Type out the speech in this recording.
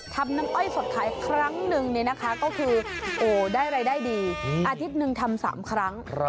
ทำน้ำอ้อยสดขายครั้งนึงเนี่ยนะคะก็คือโอ้ได้รายได้ดีอาทิตย์นึงทำสามครั้ง